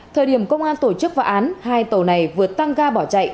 thời điểm công an tổ chức phá án hai tàu này vừa tăng ga bỏ chạy